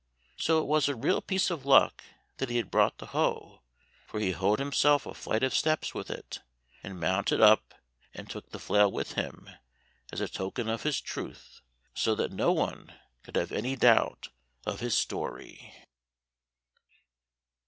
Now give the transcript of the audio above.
So it was a real piece of luck that he had brought the hoe, for he hoed himself a flight of steps with it, and mounted up, and took the flail with him as a token of his truth, so that no one could have any doubt of his story.